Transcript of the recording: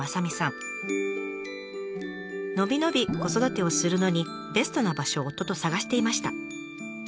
伸び伸び子育てをするのにベストな場所を夫と探していました。